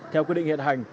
theo quy định hiện hành